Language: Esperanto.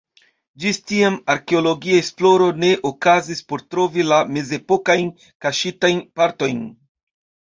Ĝis tiam arkeologia esploro ne okazis por trovi la mezepokajn kaŝitajn partojn.